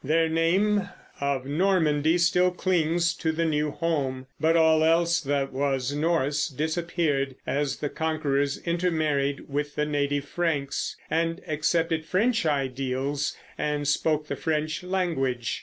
Their name of Normandy still clings to the new home; but all else that was Norse disappeared as the conquerors intermarried with the native Franks and accepted French ideals and spoke the French language.